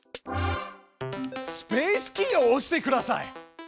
スペースキーを押してください。